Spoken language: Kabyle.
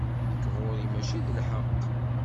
Nekk ɣur-i mačči d lḥeqq.